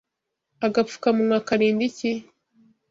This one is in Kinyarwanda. Agapfukamunwa karinda iki?